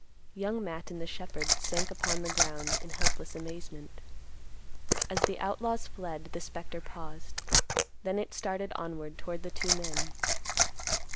Young Matt and the shepherd sank upon the ground in helpless amazement. As the outlaws fled, the spectre paused. Then it started onward toward the two men.